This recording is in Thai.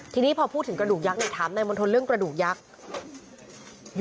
ทีนี้พอพูดถึงกระดูกยักษ์ถามนายมณฑลเรื่องกระดูกยักษ์